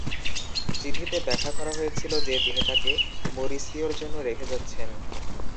চিঠিতে ব্যাখ্যা করা হয়েছিল যে, তিনি তাকে মরিসিওর জন্য রেখে যাচ্ছেন।